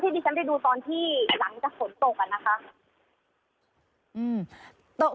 พี่เพียงไปดูตอนที่หลังจะผลตกอ่ะนะคะ